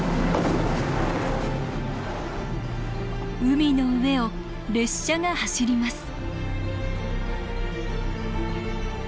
海の上を列車が走ります